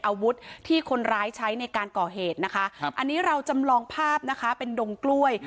อาวุธที่คนร้ายใช้ในการก่อเหตุนะคะครับอันนี้เราจำลองภาพนะคะเป็นดงกล้วย